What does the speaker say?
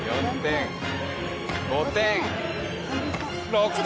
６点。